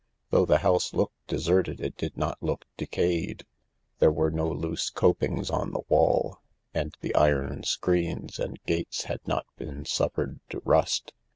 Though the house looked deserted it did not look de cayed. There were no loose copings on the wall, and the iron screens and gates had not been suffered to rust.